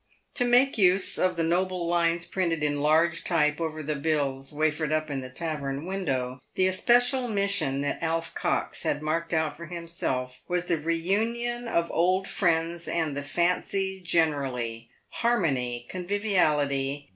To make use of the noble lines printed in large type over the bills wafered up in the tavern window, the especial mission that Alf Cox had marked out for himself was the Eeunion of old Friends and the Fancy generally ; Harmony ! Conviviality